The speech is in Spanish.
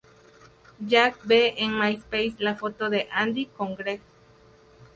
Jack ve en Myspace la foto de Andy con Greg.